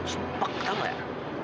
sempek tahu nggak